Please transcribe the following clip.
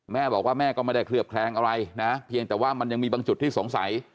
แม่บอกว่าแม่ก็ไม่ได้เคลือบแคลงอะไรนะเพียงแต่ว่ามันยังมีบางจุดที่สงสัย